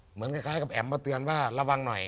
เหมือนกับคล้ายกับแอ๋มมาเตือนว่าระวังหน่อย